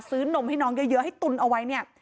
นมให้น้องเยอะให้ตุนเอาไว้เนี่ย